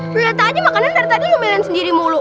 liat aja makannya dari tadi lo melihat sendiri mulu